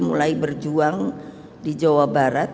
mulai berjuang di jawa barat